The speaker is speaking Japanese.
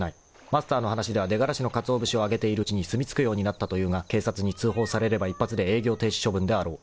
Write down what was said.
［マスターの話では出がらしのかつお節をあげているうちにすみ着くようになったと言うが警察に通報されれば一発で営業停止処分であろう。